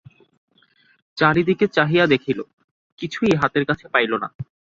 চারিদিকে চাহিয়া দেখিল, কিছুই হাতের কাছে পাইল না!